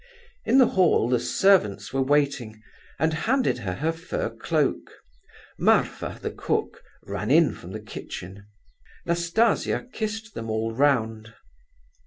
In the hall the servants were waiting, and handed her her fur cloak. Martha, the cook, ran in from the kitchen. Nastasia kissed them all round.